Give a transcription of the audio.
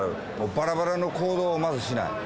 ばらばらの行動をまずしない。